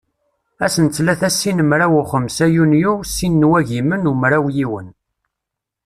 Ass n ttlata sin mraw u xemsa yunyu sin n wagimen u mraw yiwen.